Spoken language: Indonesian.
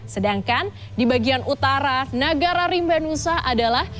sedangkan di bagian utara nagara rimbenusa adalah